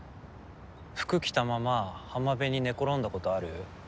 服来たまま浜辺に寝転んだことある？